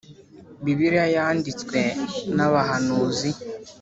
Bibiliya yanditswe nabahanuzi.